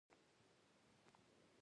افغانستان یو بشپړ مصرفي هیواد دی.